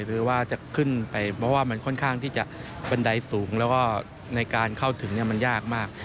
หรือว่าจะขึ้นไปเพราะว่ามันค่อนข้างที่จะบันไดสูงแล้วก็ในการเข้าถึงมันยากมาก